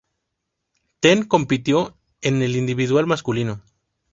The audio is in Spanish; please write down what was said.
Ten compitió en el individual masculino.